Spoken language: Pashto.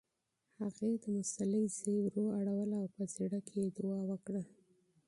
هغې د جاینماز ژۍ ورواړوله او په زړه کې یې دعا وکړه.